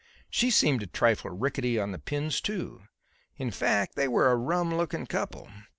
She seemed a trifle rickety on the pins too; in fact they were a rum looking couple.